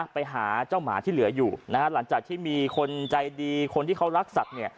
ไปหาเจ้าหมาที่เหลืออยู่นะฮะหลังจากที่มีคนใจดีคนที่เขารักสัตว์เนี่ย